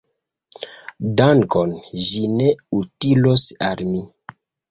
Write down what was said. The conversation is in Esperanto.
Dankon; ĝi ne utilos al mi.